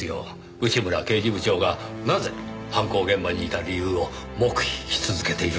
内村刑事部長がなぜ犯行現場にいた理由を黙秘し続けているのか。